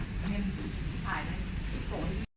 ขออนุญาตครับขออนุญาตครับครับ